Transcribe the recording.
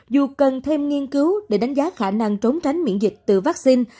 dù cần thêm nghiên cứu để đánh giá khả năng trốn tránh miễn dịch từ vaccine